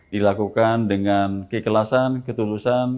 dilakukan dengan kekelasan ketulusan